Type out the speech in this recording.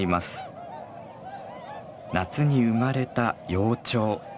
夏に生まれた幼鳥。